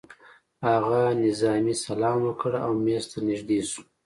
هغه نظامي سلام وکړ او مېز ته نږدې شو